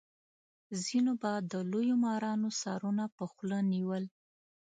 ځینو به د لویو مارانو سرونه په خوله نیول.